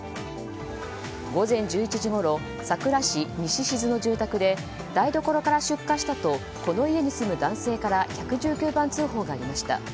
午前１１時ごろ佐倉市西志津の住宅で台所から出火したとこの家に住む男性から１１９番通報がありました。